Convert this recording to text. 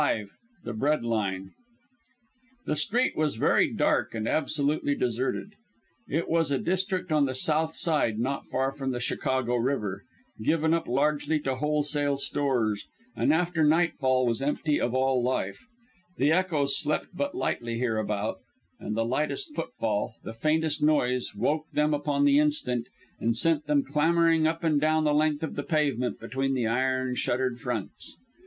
V. THE BREAD LINE The street was very dark and absolutely deserted. It was a district on the "South Side," not far from the Chicago River, given up largely to wholesale stores, and after nightfall was empty of all life. The echoes slept but lightly hereabouts, and the slightest footfall, the faintest noise, woke them upon the instant and sent them clamouring up and down the length of the pavement between the iron shuttered fronts.